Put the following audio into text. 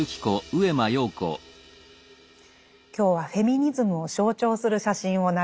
今日はフェミニズムを象徴する写真を並べています。